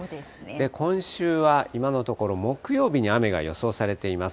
今週は今のところ、木曜日に雨が予想されています。